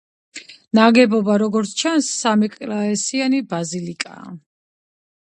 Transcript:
ნაგებობა, როგორც ჩანს, სამეკლესიანი ბაზილიკაა.